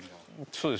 そうです